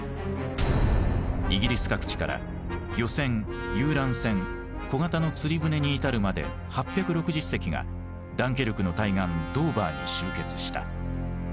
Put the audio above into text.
イギリス各地から漁船遊覧船小型の釣り船に至るまで８６０隻がダンケルクの対岸ドーバーに集結した。